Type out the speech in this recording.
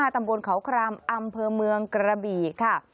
ตำบลเขาครามอำเภอเมืองกระบี่ค่ะ